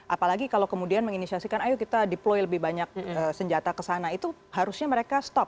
apalagi kalau kemudian menginisiasikan ayo kita deploy lebih banyak senjata kesana itu harusnya mereka stop